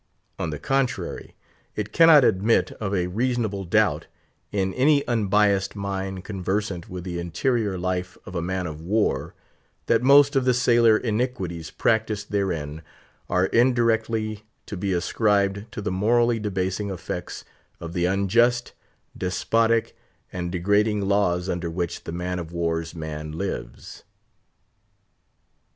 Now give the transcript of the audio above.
On the contrary, it cannot admit of a reasonable doubt, in any unbiased mind conversant with the interior life of a man of war, that most of the sailor iniquities practised therein are indirectly to be ascribed to the morally debasing effects of the unjust, despotic, and degrading laws under which the man of war's man lives.